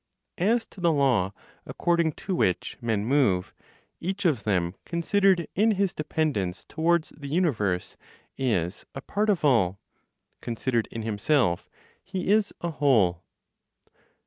As to the law according to which men move, each of them, considered in his dependence towards the universe, is a part of all; considered in himself, he is a whole.